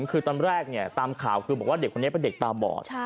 คือตอนแรกตามข่าวคือบอกว่าเด็กคนนี้เป็นเด็กตาบอด